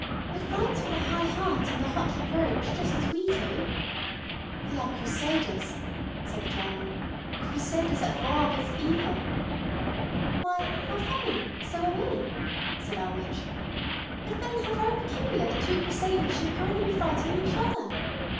It fights with a high heart, and a hot reproach, just as we do " "We are Crusaders," said the German. "Crusaders at War with Evil." "Why, how funny so are we," said our witch. "But then how very peculiar that two Crusaders should apparently be fighting each other.